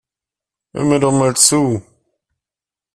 Hör mir doch mal zu.